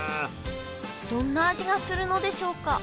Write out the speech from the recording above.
どんな味がするのでしょうか？